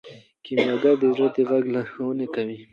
کیمیاګر د زړه د غږ لارښوونه کوي.